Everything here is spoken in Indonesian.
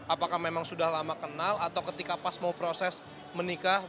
apakah memang sudah lama kenal atau ketika pas mau proses menikah